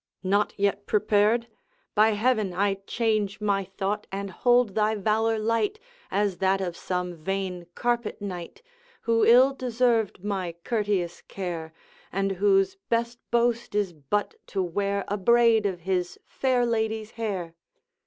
Not yet prepared? By heaven, I change My thought, and hold thy valor light As that of some vain carpet knight, Who ill deserved my courteous care, And whose best boast is but to wear A braid of his fair lady's hair.'